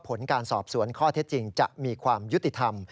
ผลการสอบสวนข้อเท็จจริงจะมีความยุติธรรม